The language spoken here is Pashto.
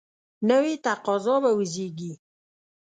نوي تقاضا به وزیږي.